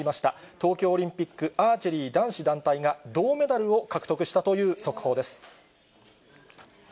東京オリンピックアーチェリー男子団体が銅メダルを獲得したという速報です。